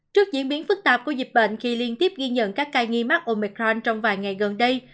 trước diễn biến phức tạp của dịch bệnh khi liên tiếp ghi nhận các ca nghi mắc omicron trong vài ngày gần đây